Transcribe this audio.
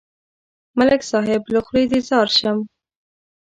ملک صاحب، له خولې دې ځار شم.